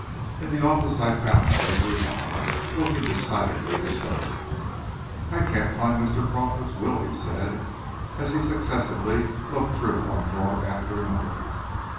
In the office I found Gregory Hall; looking decidedly disturbed. "I can't find Mr. Crawford's will," he said, as he successively looked through one drawer after another.